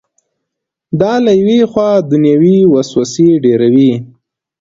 دا له یوې خوا دنیوي وسوسې ډېروي.